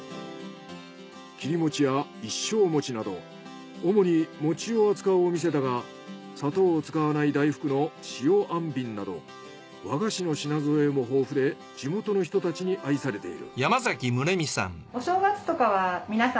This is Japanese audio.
切り餅や一升餅などおもに餅を扱うお店だが砂糖を使わない大福の塩あんびんなど和菓子の品揃えも豊富で地元の人たちに愛されている。